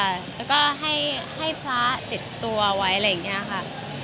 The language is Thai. แล้วก็ให้พระติดตัวไว้อะไรอย่างนี้ค่ะ